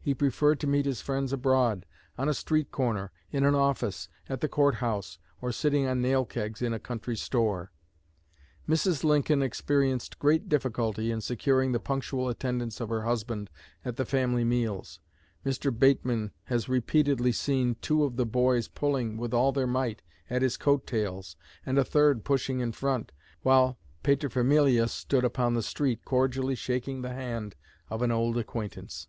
He preferred to meet his friends abroad, on a street corner, in an office, at the court house, or sitting on nail kegs in a country store." Mrs. Lincoln experienced great difficulty in securing the punctual attendance of her husband at the family meals. Dr. Bateman has repeatedly seen two of the boys pulling with all their might at his coat tails, and a third pushing in front, while paterfamilias stood upon the street cordially shaking the hand of an old acquaintance.